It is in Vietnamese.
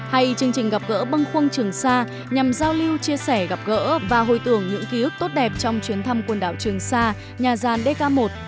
hay chương trình gặp gỡ băng khuâng trường xa nhằm giao lưu chia sẻ gặp gỡ và hồi tưởng những ký ức tốt đẹp trong chuyến thăm quần đảo trường sa nhà gian dk một